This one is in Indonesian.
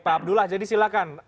pak abdullah jadi silakan